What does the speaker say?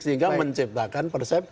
sehingga menciptakan persepsi